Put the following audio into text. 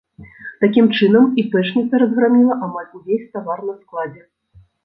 Такім чынам іпэшніца разграміла амаль увесь тавар на складзе.